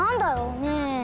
ねえ。